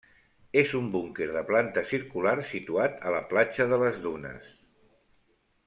És un búnquer de planta circular situat a la platja de les Dunes.